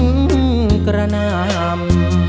ฉันกระนาม